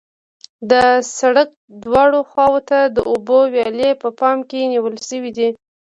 د سرک دواړو خواو ته د اوبو ویالې په پام کې نیول شوې دي